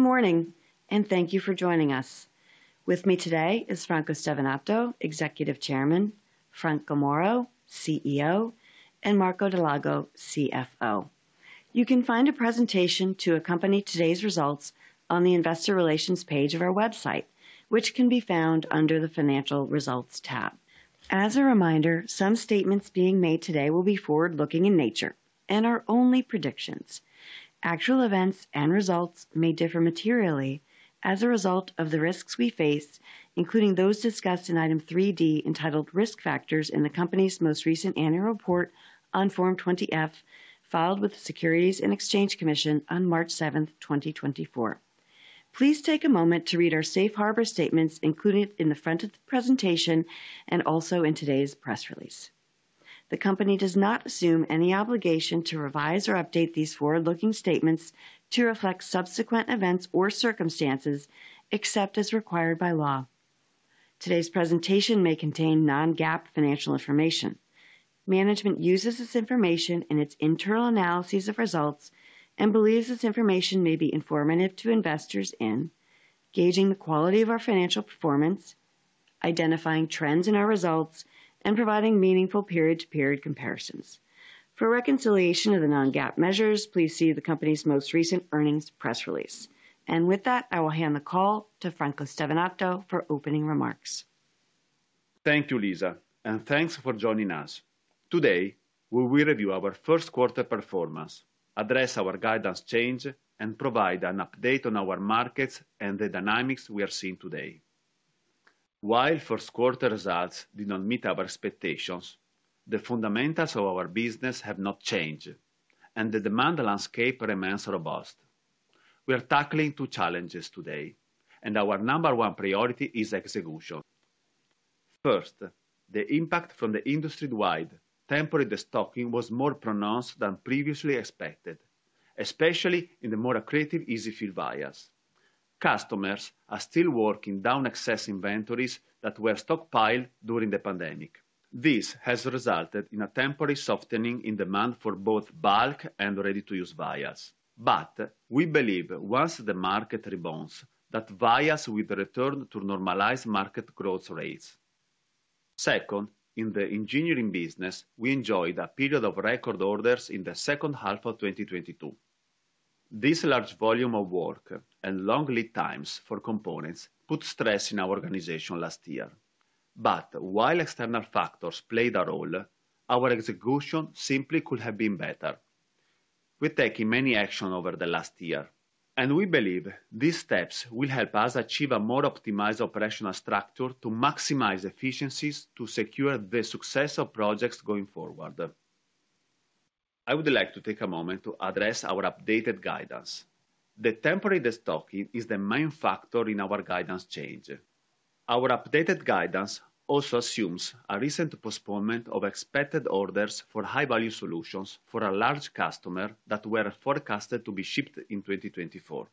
Good morning, and thank you for joining us. With me today is Franco Stevanato, Executive Chairman, Franco Moro, CEO, and Marco Dal Lago, CFO. You can find a presentation to accompany today's results on the Investor Relations page of our website, which can be found under the Financial Results tab. As a reminder, some statements being made today will be forward-looking in nature and are only predictions. Actual events and results may differ materially as a result of the risks we face, including those discussed in Item 3.D entitled Risk Factors in the company's most recent annual report on Form 20-F filed with the Securities and Exchange Commission on March 7, 2024. Please take a moment to read our Safe Harbor statements included in the front of the presentation and also in today's press release. The company does not assume any obligation to revise or update these forward-looking statements to reflect subsequent events or circumstances except as required by law. Today's presentation may contain non-GAAP financial information. Management uses this information in its internal analyses of results and believes this information may be informative to investors in gauging the quality of our financial performance, identifying trends in our results, and providing meaningful period-to-period comparisons. For reconciliation of the non-GAAP measures, please see the company's most recent earnings press release. With that, I will hand the call to Franco Stevanato for opening remarks. Thank you, Lisa, and thanks for joining us. Today we will review our first quarter performance, address our guidance change, and provide an update on our markets and the dynamics we are seeing today. While first quarter results did not meet our expectations, the fundamentals of our business have not changed, and the demand landscape remains robust. We are tackling two challenges today, and our number one priority is execution. First, the impact from the industry-wide temporary de-stocking was more pronounced than previously expected, especially in the more accretive EZ-fill vials. Customers are still working down excess inventories that were stockpiled during the pandemic. This has resulted in a temporary softening in demand for both bulk and ready-to-use vials. But we believe once the market rebounds that vials will return to normalize market growth rates. Second, in the Engineering business, we enjoyed a period of record orders in the second half of 2022. This large volume of work and long lead times for components put stress in our organization last year. But while external factors played a role, our execution simply could have been better. We're taking many actions over the last year, and we believe these steps will help us achieve a more optimized operational structure to maximize efficiencies to secure the success of projects going forward. I would like to take a moment to address our updated guidance. The temporary destocking is the main factor in our guidance change. Our updated guidance also assumes a recent postponement of expected orders for High-Value Solutions for a large customer that were forecasted to be shipped in 2024.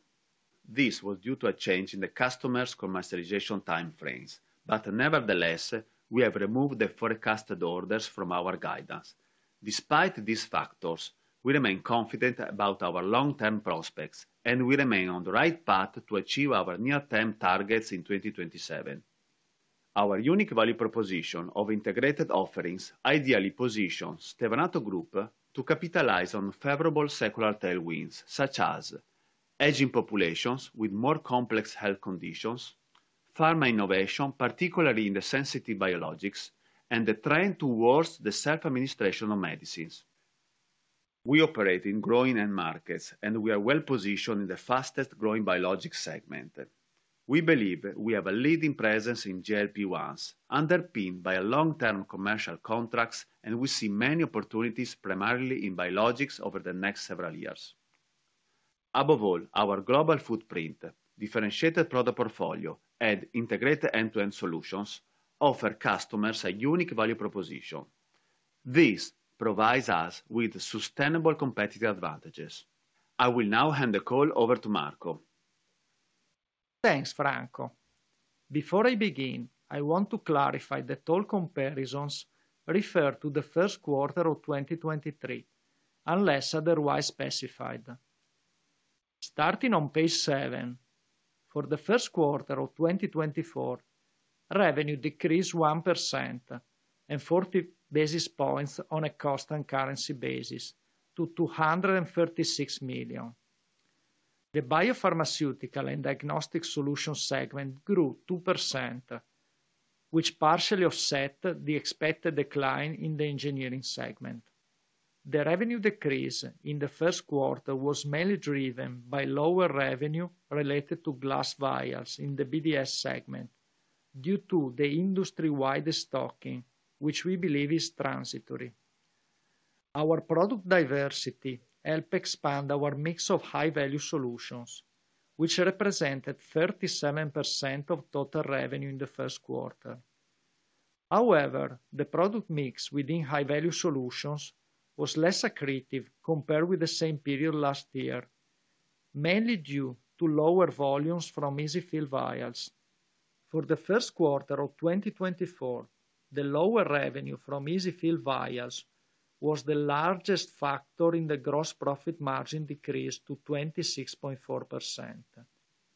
This was due to a change in the customer's commercialization time frames, but nevertheless we have removed the forecasted orders from our guidance. Despite these factors, we remain confident about our long-term prospects, and we remain on the right path to achieve our near-term targets in 2027. Our unique value proposition of integrated offerings ideally positions Stevanato Group to capitalize on favorable secular tailwinds such as: aging populations with more complex health conditions, pharma innovation, particularly in the sensitive biologics, and the trend towards the self-administration of medicines. We operate in growing end markets, and we are well-positioned in the fastest-growing biologics segment. We believe we have a leading presence in GLP-1s, underpinned by long-term commercial contracts, and we see many opportunities primarily in biologics over the next several years. Above all, our global footprint, differentiated product portfolio, and integrated end-to-end solutions offer customers a unique value proposition. This provides us with sustainable competitive advantages. I will now hand the call over to Marco. Thanks, Franco. Before I begin, I want to clarify that all comparisons refer to the first quarter of 2023, unless otherwise specified. Starting on page 7, for the first quarter of 2024, revenue decreased 1% and 40 basis points on a cost-and-currency basis to 236 million. The Biopharmaceutical and Diagnostic Solutions segment grew 2%, which partially offset the expected decline in the Engineering segment. The revenue decrease in the first quarter was mainly driven by lower revenue related to glass vials in the BDS segment due to the industry-wide de-stocking, which we believe is transitory. Our product diversity helped expand our mix of High-Value Solutions, which represented 37% of total revenue in the first quarter. However, the product mix within High-Value Solutions was less accretive compared with the same period last year, mainly due to lower volumes from EZ-fill vials. For the first quarter of 2024, the lower revenue from EZ-fill® vials was the largest factor in the gross profit margin decrease to 26.4%.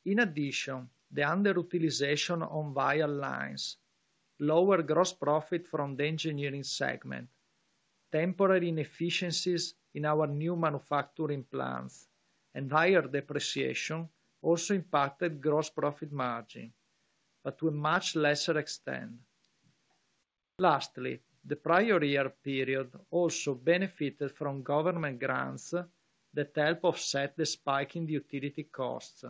In addition, the underutilization on vial lines, lower gross profit from the Engineering segment, temporary inefficiencies in our new manufacturing plants, and higher depreciation also impacted gross profit margin, but to a much lesser extent. Lastly, the prior year period also benefited from government grants that helped offset the spike in utility costs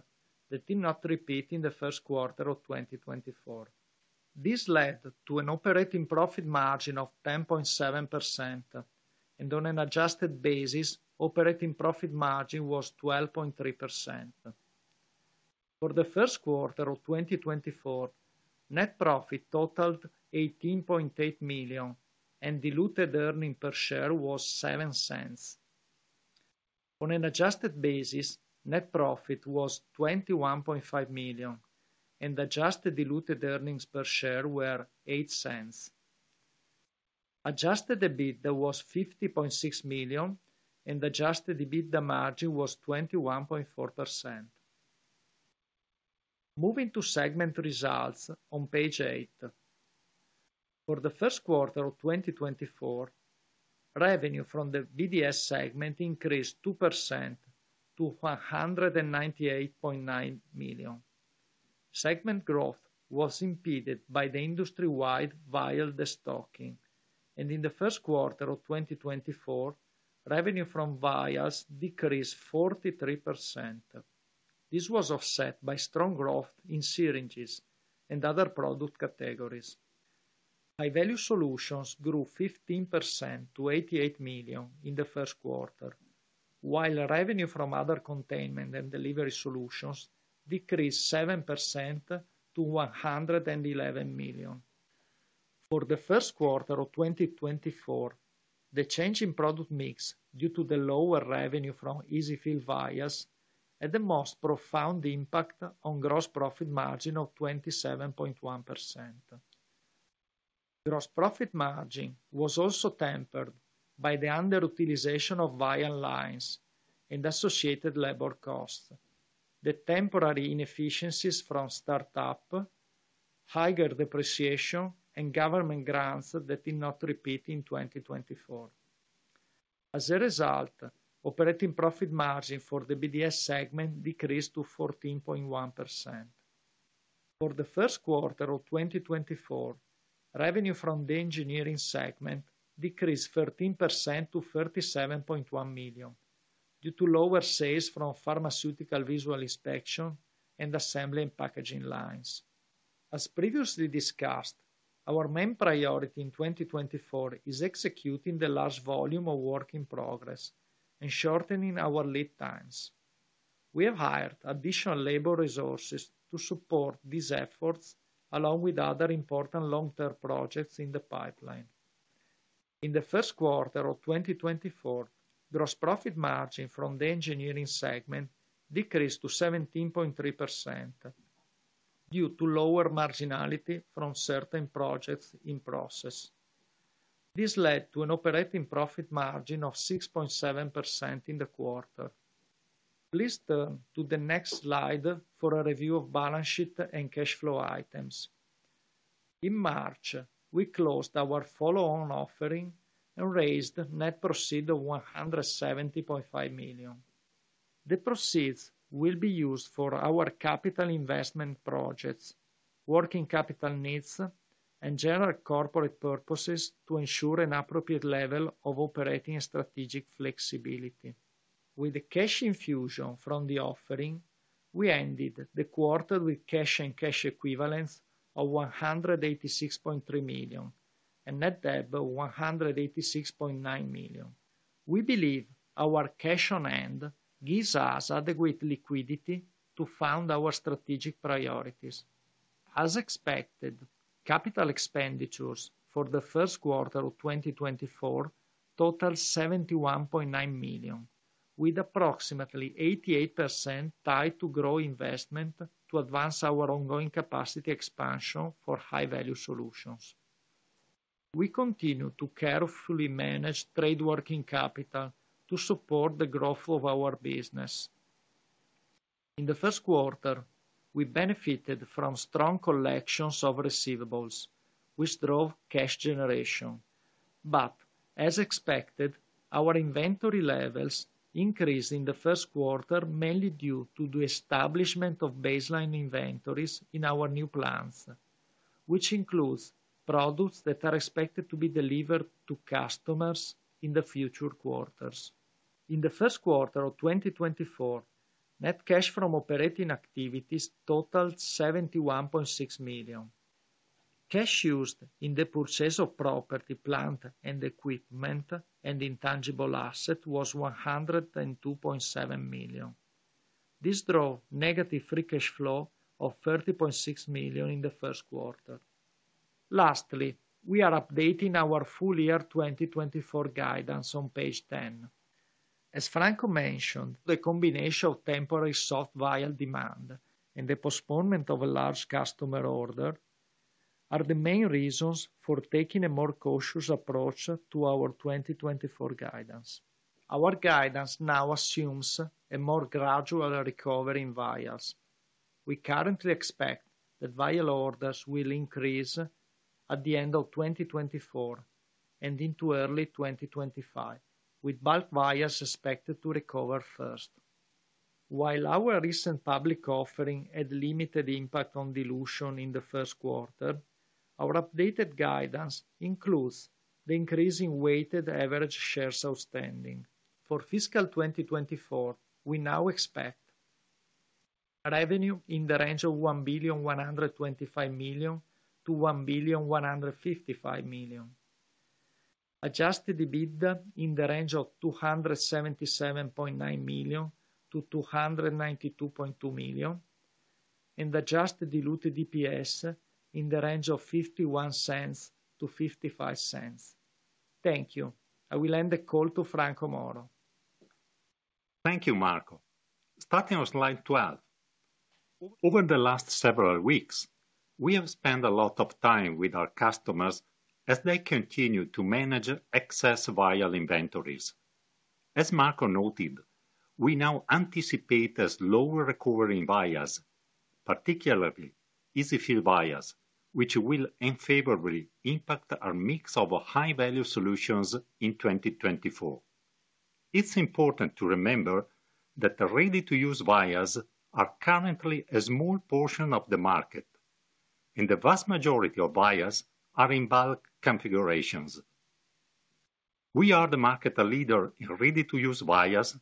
that did not repeat in the first quarter of 2024. This led to an operating profit margin of 10.7%, and on an adjusted basis, operating profit margin was 12.3%. For the first quarter of 2024, net profit totaled 18.8 million, and diluted earnings per share was 0.07. On an adjusted basis, net profit was 21.5 million, and adjusted diluted earnings per share were 0.08. Adjusted EBITDA was 50.6 million, and adjusted EBITDA margin was 21.4%. Moving to segment results on page 8, for the first quarter of 2024, revenue from the BDS segment increased 2% to 198.9 million. Segment growth was impeded by the industry-wide vial de-stocking, and in the first quarter of 2024, revenue from vials decreased 43%. This was offset by strong growth in syringes and other product categories. High-Value Solutions grew 15% to 88 million in the first quarter, while revenue from other containment and delivery solutions decreased 7% to 111 million. For the first quarter of 2024, the change in product mix due to the lower revenue from EZ-fill vials had the most profound impact on gross profit margin of 27.1%. Gross profit margin was also tempered by the underutilization of vial lines and associated labor costs, the temporary inefficiencies from startup, higher depreciation, and government grants that did not repeat in 2024. As a result, operating profit margin for the BDS segment decreased to 14.1%. For the first quarter of 2024, revenue from the Engineering segment decreased 13% to 37.1 million due to lower sales from pharmaceutical visual inspection and assembly and packaging lines. As previously discussed, our main priority in 2024 is executing the large volume of work in progress and shortening our lead times. We have hired additional labor resources to support these efforts along with other important long-term projects in the pipeline. In the first quarter of 2024, gross profit margin from the Engineering segment decreased to 17.3% due to lower marginality from certain projects in process. This led to an operating profit margin of 6.7% in the quarter. Please turn to the next slide for a review of balance sheet and cash flow items. In March, we closed our follow-on offering and raised net proceeds of 170.5 million. The proceeds will be used for our capital investment projects, working capital needs, and general corporate purposes to ensure an appropriate level of operating and strategic flexibility. With the cash infusion from the offering, we ended the quarter with cash and cash equivalents of 186.3 million and net debt of 186.9 million. We believe our cash on hand gives us adequate liquidity to fund our strategic priorities. As expected, capital expenditures for the first quarter of 2024 totaled 71.9 million, with approximately 88% tied to growth investment to advance our ongoing capacity expansion for High-Value Solutions. We continue to carefully manage trade working capital to support the growth of our business. In the first quarter, we benefited from strong collections of receivables, which drove cash generation. But as expected, our inventory levels increased in the first quarter mainly due to the establishment of baseline inventories in our new plants, which includes products that are expected to be delivered to customers in the future quarters. In the first quarter of 2024, net cash from operating activities totaled 71.6 million. Cash used in the purchase of property, plant, and equipment and intangible assets was 102.7 million. This drove negative free cash flow of 30.6 million in the first quarter. Lastly, we are updating our full year 2024 guidance on page 10. As Franco mentioned, the combination of temporary soft vial demand and the postponement of a large customer order are the main reasons for taking a more cautious approach to our 2024 guidance. Our guidance now assumes a more gradual recovery in vials. We currently expect that vial orders will increase at the end of 2024 and into early 2025, with bulk vials expected to recover first. While our recent public offering had limited impact on dilution in the first quarter, our updated guidance includes the increasing weighted average shares outstanding. For fiscal 2024, we now expect revenue in the range of 1,125 million-1,155 million, adjusted EBITDA in the range of 277.9 million-292.2 million, and adjusted diluted EPS in the range of 0.51-0.55. Thank you. I will hand the call to Franco Moro. Thank you, Marco. Starting on slide 12, over the last several weeks, we have spent a lot of time with our customers as they continue to manage excess vial inventories. As Marco noted, we now anticipate a slower recovery in vials, particularly EZ-fill vials, which will unfavorably impact our mix of High-Value Solutions in 2024. It's important to remember that the ready-to-use vials are currently a small portion of the market, and the vast majority of vials are in bulk configurations. We are the market leader in ready-to-use vials,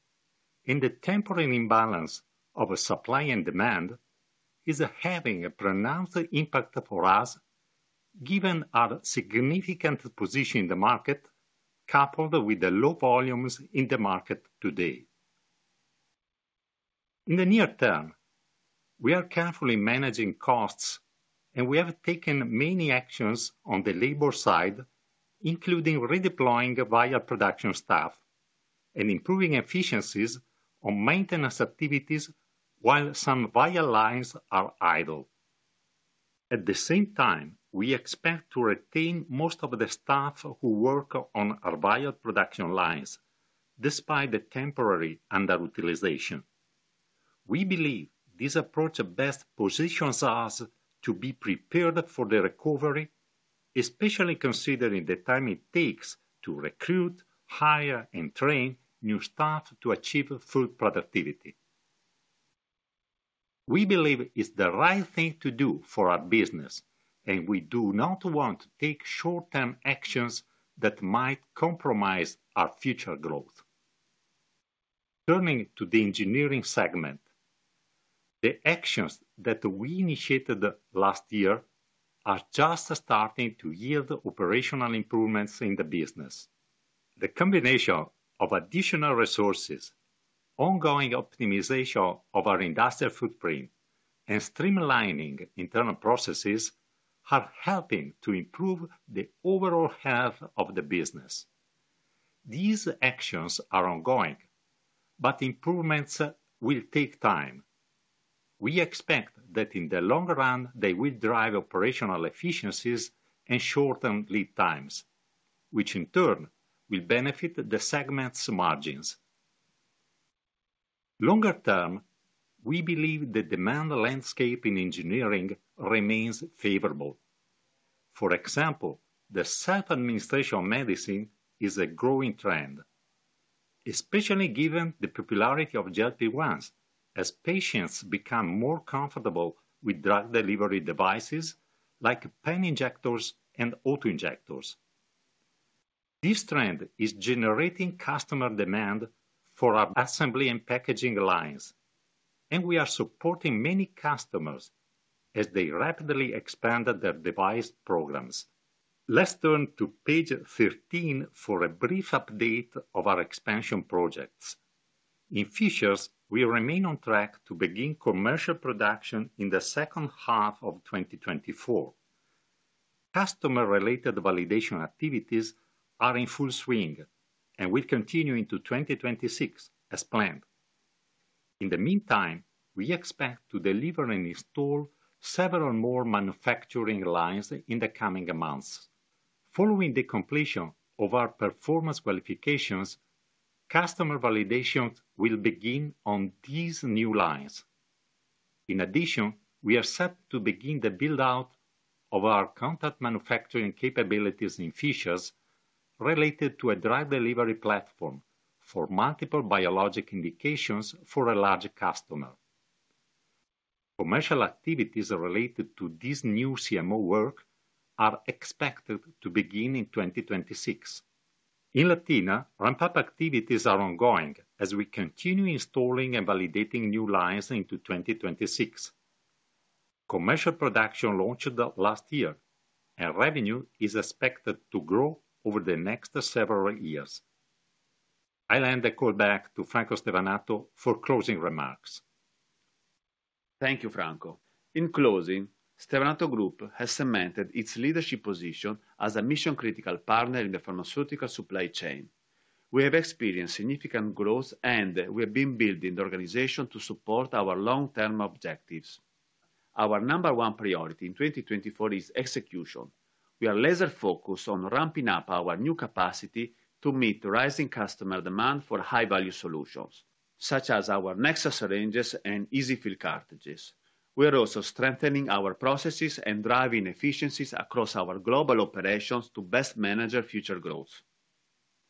and the temporary imbalance of supply and demand is having a pronounced impact for us given our significant position in the market coupled with the low volumes in the market today. In the near term, we are carefully managing costs, and we have taken many actions on the labor side, including redeploying vial production staff and improving efficiencies on maintenance activities while some vial lines are idle. At the same time, we expect to retain most of the staff who work on our vial production lines despite the temporary underutilization. We believe this approach best positions us to be prepared for the recovery, especially considering the time it takes to recruit, hire, and train new staff to achieve full productivity. We believe it's the right thing to do for our business, and we do not want to take short-term actions that might compromise our future growth. Turning to the Engineering segment, the actions that we initiated last year are just starting to yield operational improvements in the business. The combination of additional resources, ongoing optimization of our industrial footprint, and streamlining internal processes are helping to improve the overall health of the business. These actions are ongoing, but improvements will take time. We expect that in the long run, they will drive operational efficiencies and shorten lead times, which in turn will benefit the segment's margins. Longer term, we believe the demand landscape in Engineering remains favorable. For example, the self-administration of medicine is a growing trend, especially given the popularity of GLP-1s as patients become more comfortable with drug delivery devices like pen injectors and autoinjectors. This trend is generating customer demand for our assembly and packaging lines, and we are supporting many customers as they rapidly expand their device programs. Let's turn to page 13 for a brief update of our expansion projects. In Fishers, we remain on track to begin commercial production in the second half of 2024. Customer-related validation activities are in full swing, and will continue into 2026 as planned. In the meantime, we expect to deliver and install several more manufacturing lines in the coming months. Following the completion of our performance qualifications, customer validation will begin on these new lines. In addition, we are set to begin the build-out of our contract manufacturing capabilities in Fishers related to a drug delivery platform for multiple biologic indications for a large customer. Commercial activities related to this new CMO work are expected to begin in 2026. In Latina, ramp-up activities are ongoing as we continue installing and validating new lines into 2026. Commercial production launched last year, and revenue is expected to grow over the next several years. I'll hand the call back to Franco Stevanato for closing remarks. Thank you, Franco. In closing, Stevanato Group has cemented its leadership position as a mission-critical partner in the pharmaceutical supply chain. We have experienced significant growth, and we have been building the organization to support our long-term objectives. Our number one priority in 2024 is execution. We are laser-focused on ramping up our new capacity to meet rising customer demand for High-Value Solutions, such as our Nexa syringes and EZ-fill cartridges. We are also strengthening our processes and driving efficiencies across our global operations to best manage our future growth.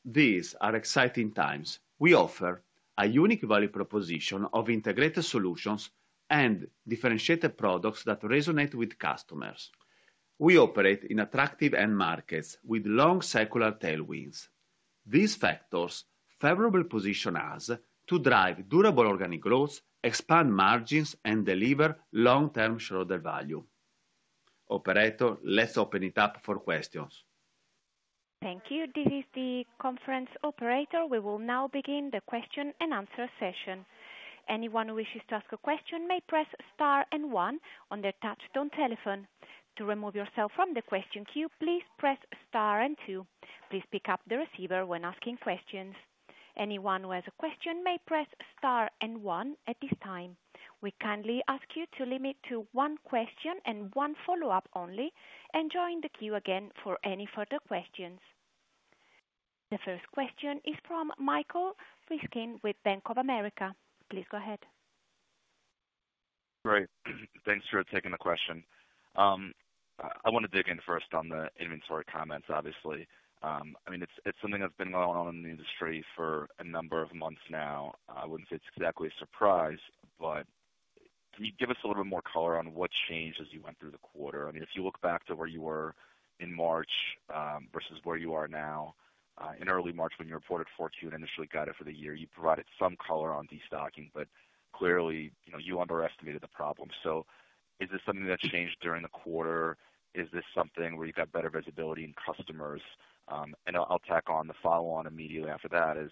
These are exciting times. We offer a unique value proposition of integrated solutions and differentiated products that resonate with customers. We operate in attractive end markets with long secular tailwinds. These factors favorably position us to drive durable organic growth, expand margins, and deliver long-term shareholder value. Operator, let's open it up for questions. Thank you. This is the conference operator. We will now begin the question-and-answer session. Anyone who wishes to ask a question may press star and one on their touch-tone telephone. To remove yourself from the question queue, please press star and two. Please pick up the receiver when asking questions. Anyone who has a question may press star and one at this time. We kindly ask you to limit to one question and one follow-up only, and join the queue again for any further questions. The first question is from Michael Ryskin with Bank of America. Please go ahead. Great. Thanks for taking the question. I want to dig in first on the inventory comments, obviously. I mean, it's something that's been going on in the industry for a number of months now. I wouldn't say it's exactly a surprise, but can you give us a little bit more color on what changed as you went through the quarter? I mean, if you look back to where you were in March versus where you are now, in early March, when you reported first quarter and initially guided for the year, you provided some color on destocking, but clearly, you underestimated the problem. So is this something that changed during the quarter? Is this something where you got better visibility into customers? And I'll tack on the follow-on immediately after that is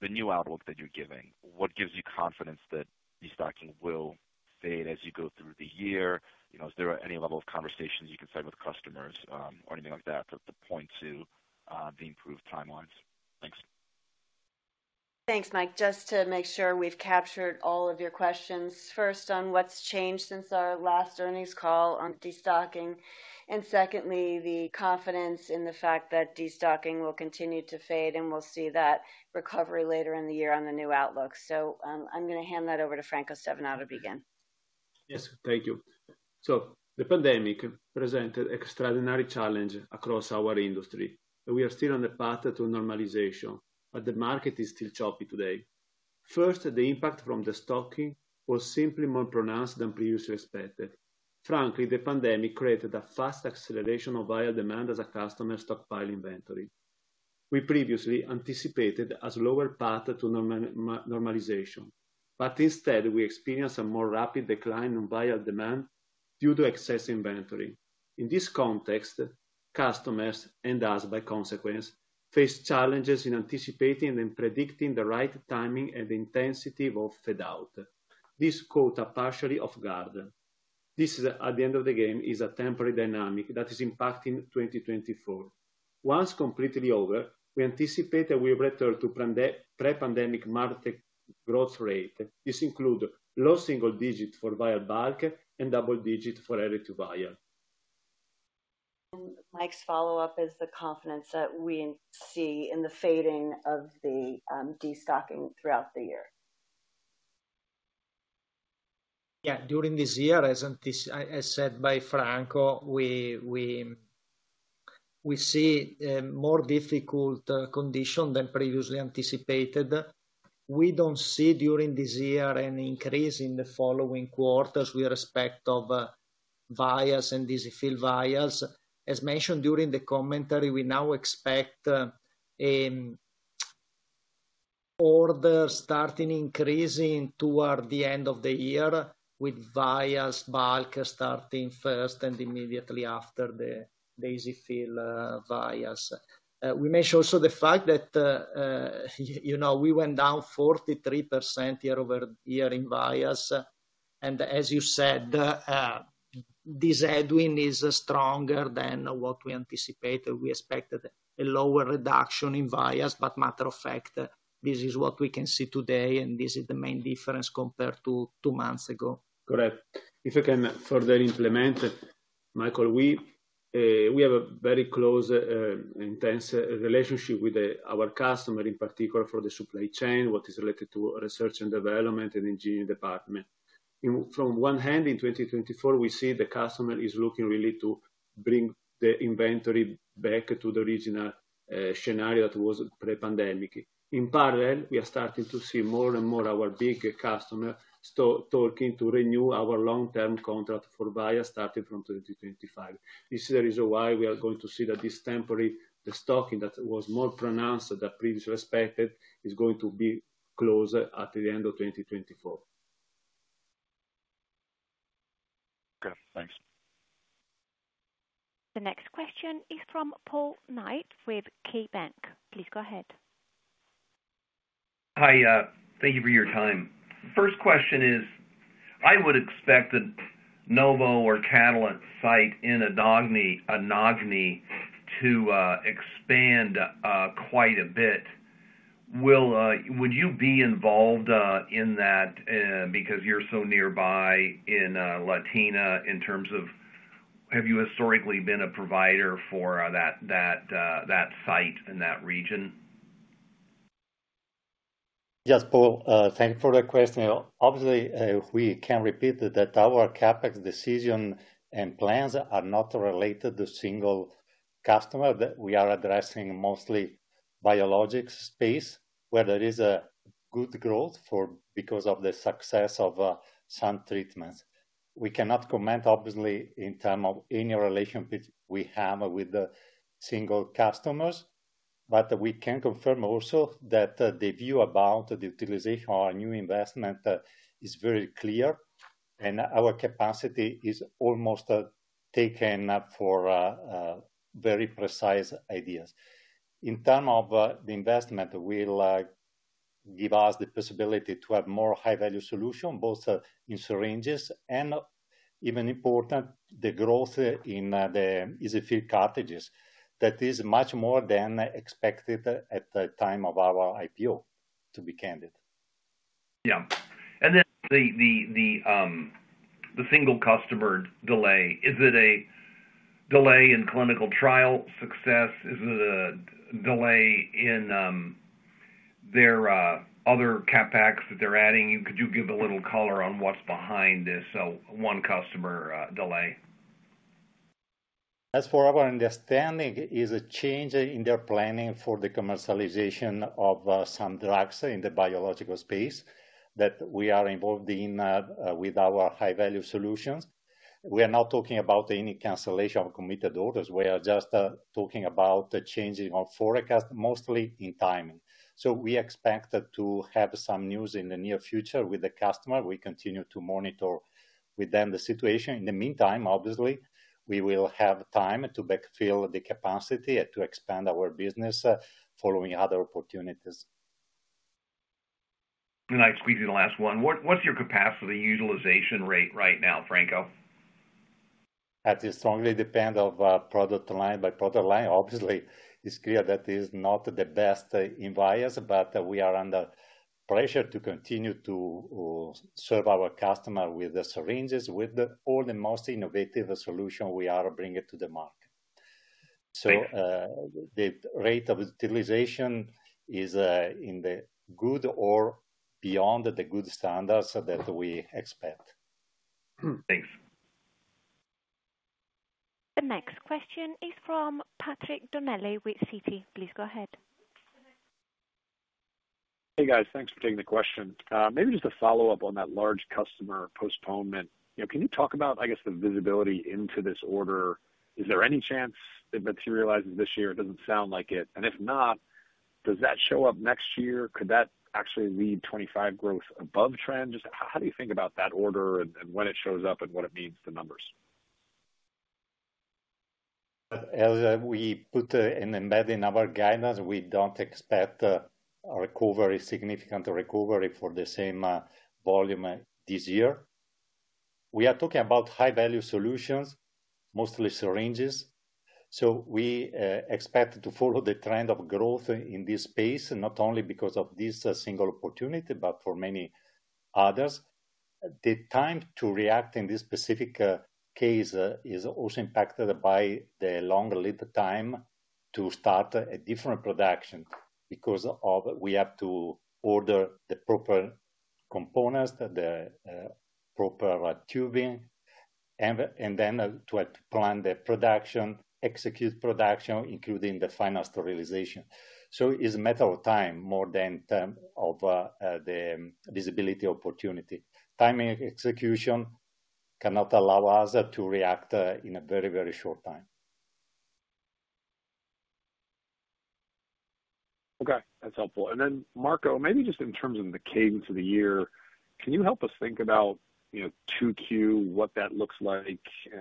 the new outlook that you're giving. What gives you confidence that destocking will fade as you go through the year? Is there any level of conversations you can start with customers or anything like that to point to the improved timelines? Thanks. Thanks, Mike. Just to make sure we've captured all of your questions. First, on what's changed since our last earnings call on destocking, and secondly, the confidence in the fact that destocking will continue to fade, and we'll see that recovery later in the year on the new outlook. So I'm going to hand that over to Franco Stevanato to begin. Yes, thank you. So the pandemic presented an extraordinary challenge across our industry, and we are still on the path to normalization, but the market is still choppy today. First, the impact from the stocking was simply more pronounced than previously expected. Frankly, the pandemic created a fast acceleration of vial demand as a customer stockpiled inventory. We previously anticipated a slower path to normalization, but instead, we experienced a more rapid decline in vial demand due to excess inventory. In this context, customers and us, by consequence, face challenges in anticipating and predicting the right timing and intensity of fade-out. This caught us partially off guard. This, at the end of the day, is a temporary dynamic that is impacting 2024. Once completely over, we anticipate that we will return to pre-pandemic market growth rate. This includes low single-digit for vial bulk and double-digit for RTU vial. Mike's follow-up is the confidence that we see in the fading of the destocking throughout the year. Yeah, during this year, as said by Franco, we see a more difficult condition than previously anticipated. We don't see during this year an increase in the following quarters with respect to vials and EZ-fill vials. As mentioned during the commentary, we now expect orders starting to increase toward the end of the year, with vials bulk starting first and immediately after the EZ-fill vials. We mentioned also the fact that we went down 43% year-over-year in vials. And as you said, this headwind is stronger than what we anticipated. We expected a lower reduction in vials, but matter of fact, this is what we can see today, and this is the main difference compared to two months ago. Correct. If I can further implement, Michael, we have a very close and intense relationship with our customer, in particular for the supply chain, what is related to research and development and Engineering department. From one hand, in 2024, we see the customer is looking really to bring the inventory back to the original scenario that was pre-pandemic. In parallel, we are starting to see more and more of our big customers talking to renew our long-term contract for vials starting from 2025. This is the reason why we are going to see that this temporary stocking that was more pronounced than previously expected is going to be closed at the end of 2024. Okay. Thanks. The next question is from Paul Knight with KeyBanc. Please go ahead. Hi. Thank you for your time. First question is, I would expect the Novo or Catalent site in Anagni to expand quite a bit. Would you be involved in that because you're so nearby in Latina in terms of have you historically been a provider for that site in that region? Yes, Paul. Thank you for the question. Obviously, we can repeat that our CapEx decision and plans are not related to a single customer. We are addressing mostly the biologics space where there is good growth because of the success of some treatments. We cannot comment, obviously, in terms of any relationship we have with single customers, but we can confirm also that the view about the utilization of our new investment is very clear, and our capacity is almost taken up for very precise ideas. In terms of the investment, it will give us the possibility to have more High-Value Solutions, both in syringes and, even important, the growth in the EZ-fill cartridges that is much more than expected at the time of our IPO, to be candid. Yeah. And then the single customer delay, is it a delay in clinical trial success? Is it a delay in their other CapEx that they're adding? Could you give a little color on what's behind this, so one customer delay? As for our understanding, it is a change in their planning for the commercialization of some drugs in the biological space that we are involved in with our High-Value Solutions. We are not talking about any cancellation of committed orders. We are just talking about changing our forecast, mostly in timing. So we expect to have some news in the near future with the customer. We continue to monitor with them the situation. In the meantime, obviously, we will have time to backfill the capacity and to expand our business following other opportunities. I squeeze in the last one. What's your capacity utilization rate right now, Franco? That strongly depends on product line. By product line, obviously, it's clear that it is not the best in vials, but we are under pressure to continue to serve our customer with the syringes, with all the most innovative solutions we are bringing to the market. So the rate of utilization is in the good or beyond the good standards that we expect. Thanks. The next question is from Patrick Donnelly with Citi. Please go ahead. Hey, guys. Thanks for taking the question. Maybe just a follow-up on that large customer postponement. Can you talk about, I guess, the visibility into this order? Is there any chance it materializes this year? It doesn't sound like it. And if not, does that show up next year? Could that actually lead 25 growth above trend? Just how do you think about that order and when it shows up and what it means to numbers? As we put and embedded in our guidance, we don't expect a significant recovery for the same volume this year. We are talking about High-Value Solutions, mostly syringes. So we expect to follow the trend of growth in this space, not only because of this single opportunity, but for many others. The time to react in this specific case is also impacted by the longer lead time to start a different production because we have to order the proper components, the proper tubing, and then to plan the production, execute production, including the final sterilization. So it's a matter of time more than time of the visibility opportunity. Timing execution cannot allow us to react in a very, very short time. Okay. That's helpful. And then, Marco, maybe just in terms of the cadence of the year, can you help us think about 2Q, what that looks like,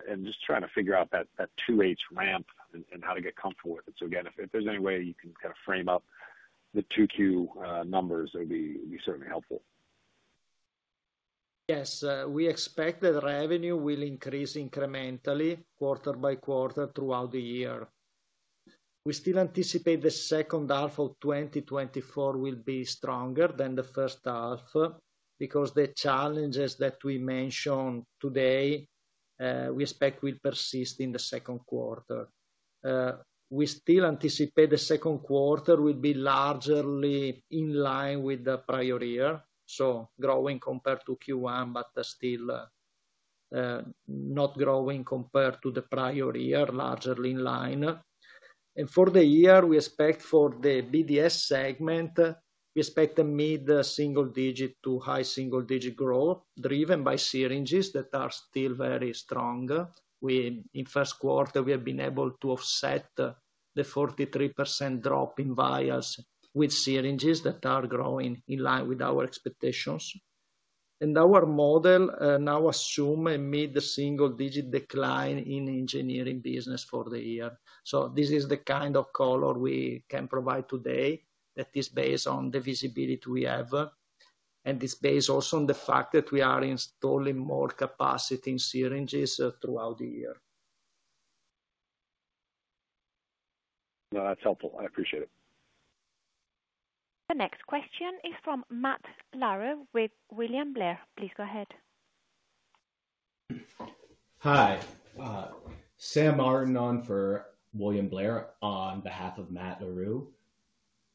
and just trying to figure out that 2H ramp and how to get comfortable with it? So again, if there's any way you can kind of frame up the 2Q numbers, it would be certainly helpful. Yes. We expect that revenue will increase incrementally quarter by quarter throughout the year. We still anticipate the second half of 2024 will be stronger than the first half because the challenges that we mentioned today, we expect will persist in the second quarter. We still anticipate the second quarter will be largely in line with the prior year, so growing compared to Q1, but still not growing compared to the prior year, largely in line. And for the year, we expect for the BDS segment, we expect a mid-single-digit to high-single-digit growth driven by syringes that are still very strong. In first quarter, we have been able to offset the 43% drop in vials with syringes that are growing in line with our expectations. And our model now assumes a mid-single-digit decline in Engineering business for the year. This is the kind of color we can provide today that is based on the visibility we have, and it's based also on the fact that we are installing more capacity in syringes throughout the year. No, that's helpful. I appreciate it. The next question is from Matt Larew with William Blair. Please go ahead. Hi. Sam Martin on for William Blair on behalf of Matt Larew.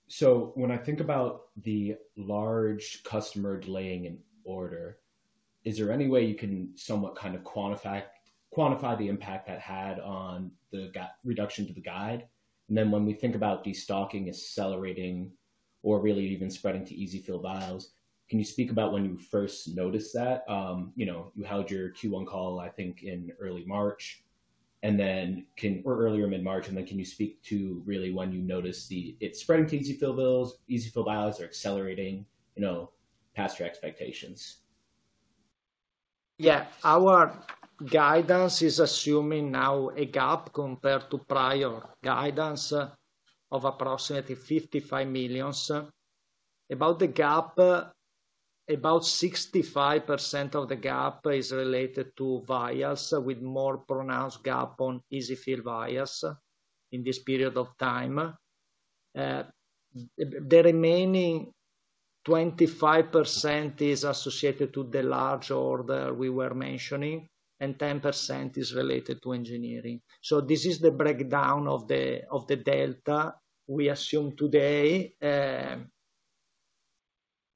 So when I think about the large customer delaying an order, is there any way you can somewhat kind of quantify the impact that had on the reduction to the guide? And then when we think about destocking accelerating or really even spreading to EZ-fill vials, can you speak about when you first noticed that? You held your Q1 call, I think, in early March or earlier mid-March. And then can you speak to really when you noticed it spreading to EZ-fill vials or accelerating past your expectations? Yeah. Our guidance is assuming now a gap compared to prior guidance of approximately 55 million. About the gap, about 65% of the gap is related to vials, with a more pronounced gap on EZ-fill vials in this period of time. The remaining 25% is associated to the large order we were mentioning, and 10% is related to Engineering. So this is the breakdown of the delta we assume today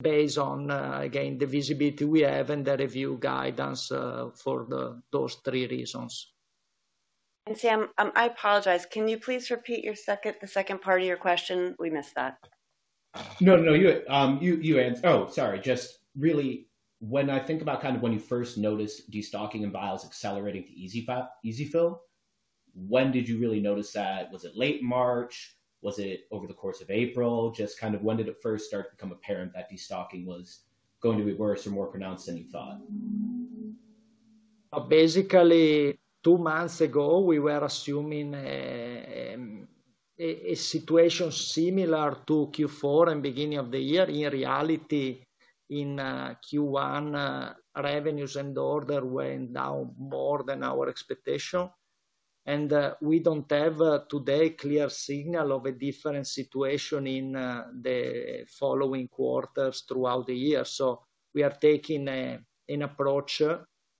based on, again, the visibility we have and the review guidance for those three reasons. Sam, I apologize. Can you please repeat the second part of your question? We missed that. No, no. You answered. Oh, sorry. Just really, when I think about kind of when you first noticed destocking and vials accelerating to EZ-fill, when did you really notice that? Was it late March? Was it over the course of April? Just kind of when did it first start to become apparent that destocking was going to be worse or more pronounced than you thought? Basically, two months ago, we were assuming a situation similar to Q4 and beginning of the year. In reality, in Q1, revenues and order went down more than our expectation. And we don't have today a clear signal of a different situation in the following quarters throughout the year. So we are taking an approach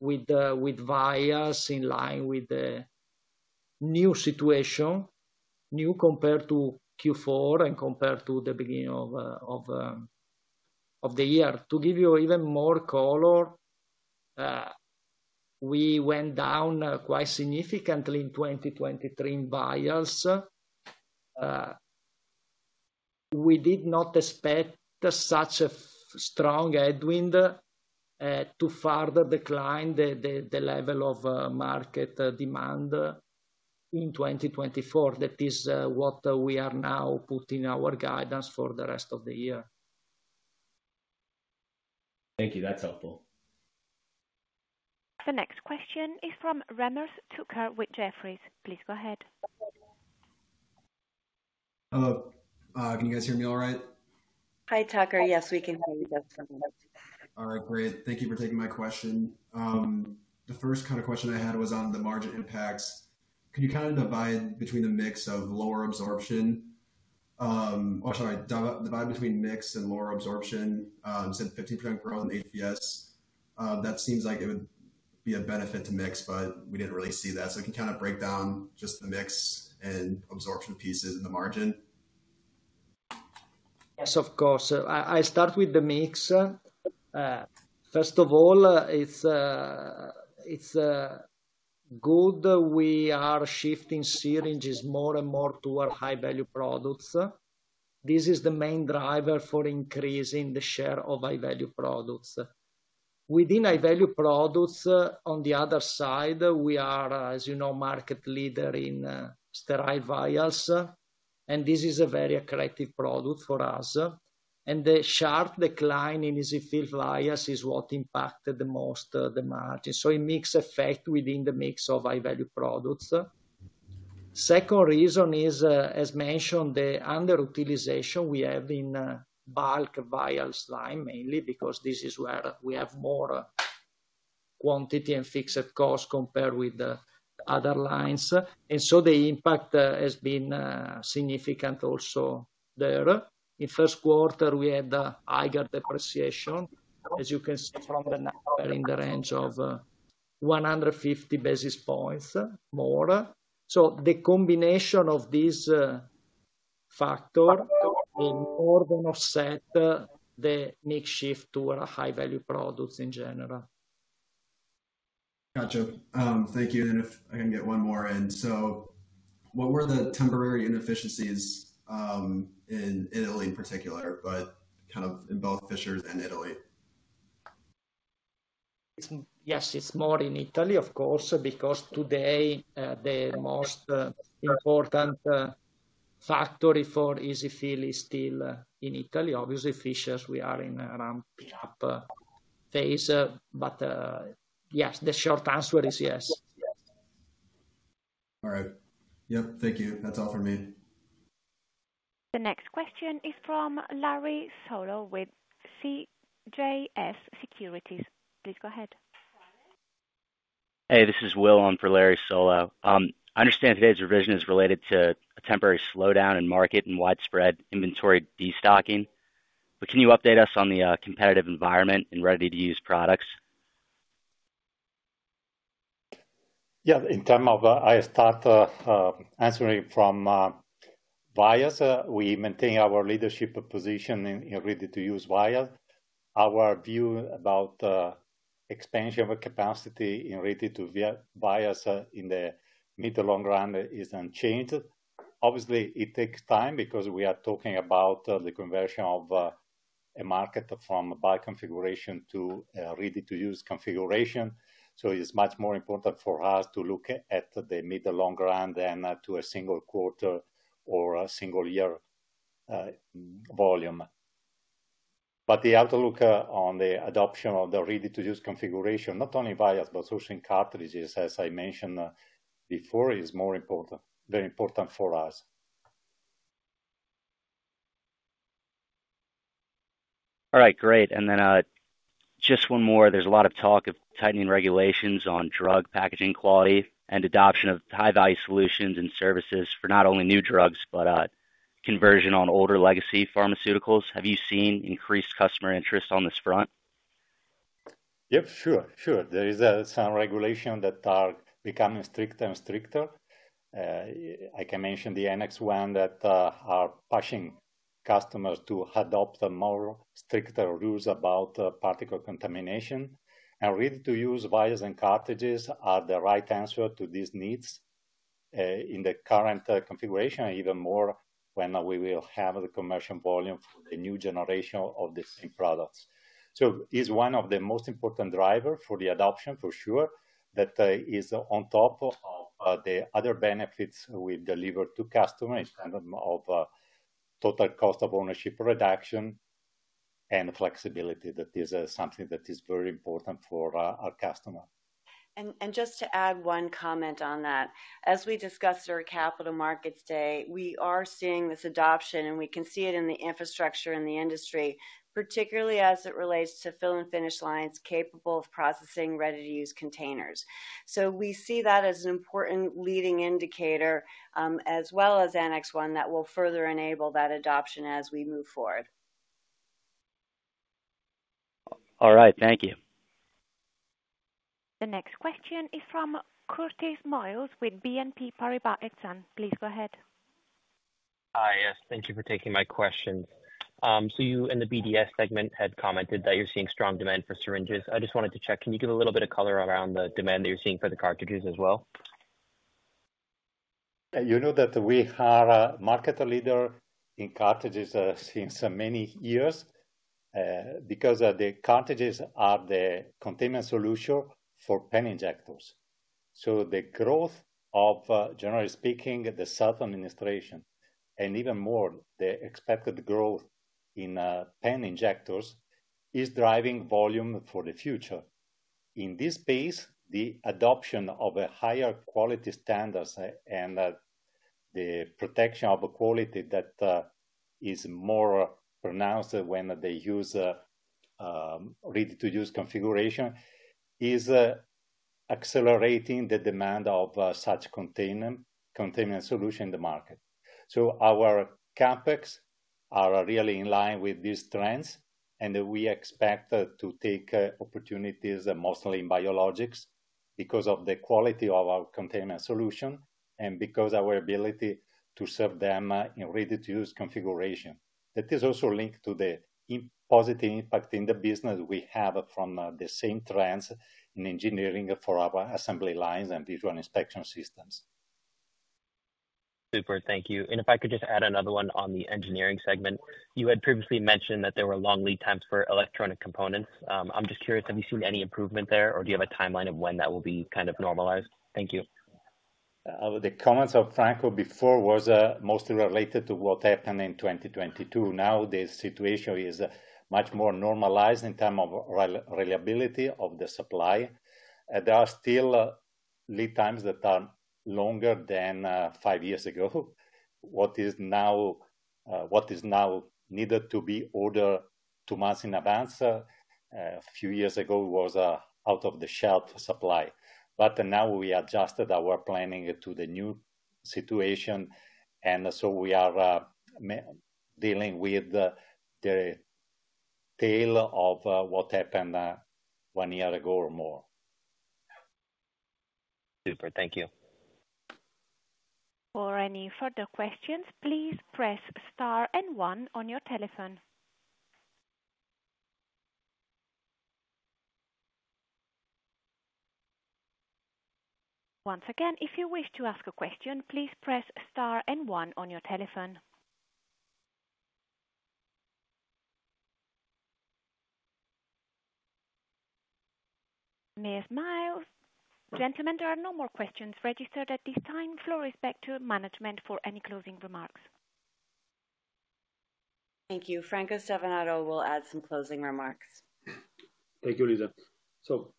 with vials in line with the new situation, new compared to Q4 and compared to the beginning of the year. To give you even more color, we went down quite significantly in 2023 in vials. We did not expect such a strong headwind to further decline the level of market demand in 2024. That is what we are now putting in our guidance for the rest of the year. Thank you. That's helpful. The next question is from David Windley with Jefferies. Please go ahead. Hello. Can you guys hear me all right? Hi, Windley. Yes, we can hear you just fine. All right. Great. Thank you for taking my question. The first kind of question I had was on the margin impacts. Could you kind of divide between the mix of lower absorption oh, sorry. Divide between mix and lower absorption. You said 15% growth in HVS. That seems like it would be a benefit to mix, but we didn't really see that. So can you kind of break down just the mix and absorption pieces in the margin? Yes, of course. I start with the mix. First of all, it's good we are shifting syringes more and more toward high-value products. This is the main driver for increasing the share of high-value products. Within high-value products, on the other side, we are, as you know, market leader in sterile vials, and this is a very attractive product for us. And the sharp decline in EZ-fill vials is what impacted the most the margin. So it makes effect within the mix of high-value products. Second reason is, as mentioned, the underutilization we have in bulk vials line, mainly because this is where we have more quantity and fixed cost compared with other lines. And so the impact has been significant also there. In first quarter, we had a higher depreciation, as you can see from the number, in the range of 150 basis points more. So the combination of these factors more than offset the mix shift toward high-value products in general. Gotcha. Thank you. And then if I can get one more in. So what were the temporary inefficiencies in Italy in particular, but kind of in both Fishers and Italy? Yes, it's more in Italy, of course, because today, the most important factory for EZ-fill is still in Italy. Obviously, Fishers, we are in a ramping-up phase. But yes, the short answer is yes. All right. Yep. Thank you. That's all from me. The next question is from Larry Solow with CJS Securities. Please go ahead. Hey. This is Will on for Larry Solow. I understand today's revision is related to a temporary slowdown in market and widespread inventory destocking. But can you update us on the competitive environment and ready-to-use products? Yeah. In terms of, I start answering from vials, we maintain our leadership position in ready-to-use vials. Our view about expansion of capacity in ready-to-use vials in the mid- to long-run is unchanged. Obviously, it takes time because we are talking about the conversion of a market from bulk configuration to ready-to-use configuration. So it's much more important for us to look at the mid- to long-run than to a single quarter or a single year volume. But the outlook on the adoption of the ready-to-use configuration, not only vials but also in cartridges, as I mentioned before, is very important for us. All right. Great. Then just one more. There's a lot of talk of tightening regulations on drug packaging quality and adoption of High-Value Solutions and services for not only new drugs but conversion on older legacy pharmaceuticals. Have you seen increased customer interest on this front? Yep. Sure. Sure. There is some regulation that are becoming stricter and stricter. I can mention the Annex 1 that are pushing customers to adopt more stricter rules about particle contamination. And ready-to-use vials and cartridges are the right answer to these needs in the current configuration, even more when we will have the commercial volume for the new generation of the same products. So it's one of the most important drivers for the adoption, for sure, that is on top of the other benefits we deliver to customers in terms of total cost of ownership reduction and flexibility. That is something that is very important for our customer. Just to add one comment on that. As we discussed during Capital Markets Day, we are seeing this adoption, and we can see it in the infrastructure and the industry, particularly as it relates to fill-and-finish lines capable of processing ready-to-use containers. We see that as an important leading indicator as well as Annex 1 that will further enable that adoption as we move forward. All right. Thank you. The next question is from David Evans with BNP Paribas. Please go ahead. Hi. Yes. Thank you for taking my questions. So you, in the BDS segment, had commented that you're seeing strong demand for syringes. I just wanted to check. Can you give a little bit of color around the demand that you're seeing for the cartridges as well? You know that we are a market leader in cartridges since many years because the cartridges are the containment solution for pen injectors. So the growth of, generally speaking, the self-administration and even more, the expected growth in pen injectors is driving volume for the future. In this space, the adoption of higher quality standards and the perception of quality that is more pronounced when they use ready-to-use configuration is accelerating the demand of such containment solution in the market. So our CapEx are really in line with these trends, and we expect to take opportunities, mostly in biologics, because of the quality of our containment solution and because of our ability to serve them in ready-to-use configuration. That is also linked to the positive impact in the business we have from the same trends in Engineering for our assembly lines and visual inspection systems. Super. Thank you. And if I could just add another one on the Engineering segment. You had previously mentioned that there were long lead times for electronic components. I'm just curious, have you seen any improvement there, or do you have a timeline of when that will be kind of normalized? Thank you. The comments of Franco before were mostly related to what happened in 2022. Now, the situation is much more normalized in terms of reliability of the supply. There are still lead times that are longer than five years ago. What is now needed to be ordered two months in advance, a few years ago was out-of-the-shelf supply. But now, we adjusted our planning to the new situation, and so we are dealing with the tail of what happened one year ago or more. Super. Thank you. For any further questions, please press star and one on your telephone. Once again, if you wish to ask a question, please press star and one on your telephone. Ms. Miles, gentlemen, there are no more questions registered at this time. Floor is back to management for any closing remarks. Thank you. Franco Stevanato will add some closing remarks. Thank you, Lisa. So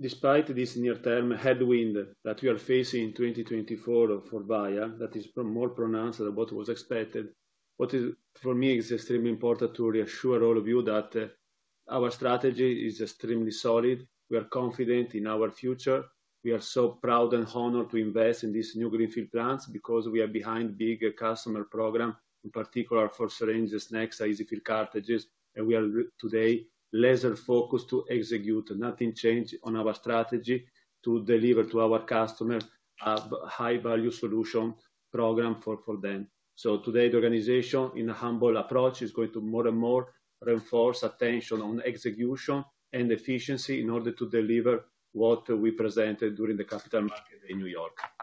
despite this near-term headwind that we are facing in 2024 for vials, that is more pronounced than what was expected, for me, it's extremely important to reassure all of you that our strategy is extremely solid. We are confident in our future. We are so proud and honored to invest in these new greenfield plants because we are behind big customer programs, in particular for syringes, Nexa, EZ-fill cartridges. And we are today laser-focused to execute, nothing changed on our strategy to deliver to our customers a high-value solution program for them. So today, the organization, in a humble approach, is going to more and more reinforce attention on execution and efficiency in order to deliver what we presented during the Capital Markets Day in New York. Thank you.